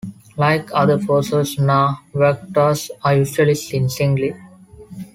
Like other "Phocoena", vaquitas are usually seen singly.